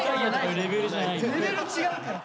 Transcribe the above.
レベル違うから。